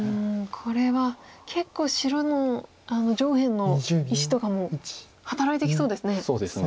これは結構白の上辺の石とかも働いてきそうですね。